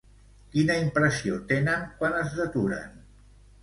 Quina impressió tenen quan es deturen?